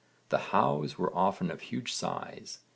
The 'hows' were often of huge size.